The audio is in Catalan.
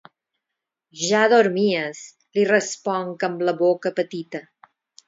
Ja dormies –li responc amb la boca petita–.